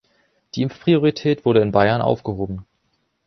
Die Impfpriorität wurde in Bayern aufgehoben.